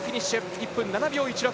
１分７秒１６。